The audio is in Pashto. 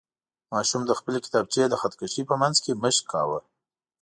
ماشوم د خپلې کتابچې د خط کشۍ په منځ کې مشق کاوه.